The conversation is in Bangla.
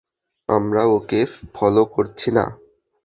আমরা ওকে ফলো করছি না।